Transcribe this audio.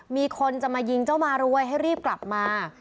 มีคนจะมายิงเจ้ามารวยให้รีบกลับมา